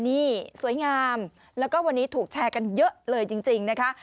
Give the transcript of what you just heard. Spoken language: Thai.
นี่สวยงามแล้วก็วันนี้ถูกแชร์กันเยอะเลยจริงนะคะ